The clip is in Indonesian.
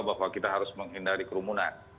bahwa kita harus menghindari kerumunan